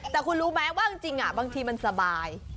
แต่คุณรู้ไหมว่าจริงบางทีมันสบาย